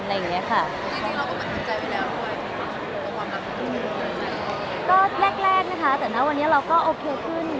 แรกเลยนะคะแต่วันนี้เราก็โอเคขึ้น